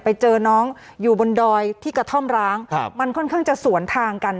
ไปเจอน้องอยู่บนดอยที่กระท่อมร้างครับมันค่อนข้างจะสวนทางกัน